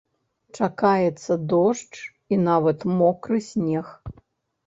Чакаецца дождж і нават мокры снег.